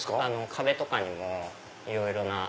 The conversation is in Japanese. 壁とかにもいろいろな。